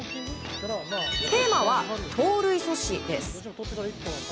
テーマは盗塁阻止です。